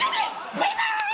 バイバイ！